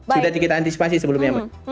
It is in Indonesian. sudah dikita antisipasi sebelumnya